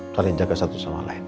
saling jaga satu sama lain